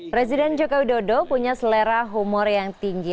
presiden jokowi dodo punya selera humor yang tinggi